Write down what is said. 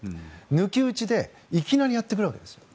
抜き打ちでいきなりやってくるわけです。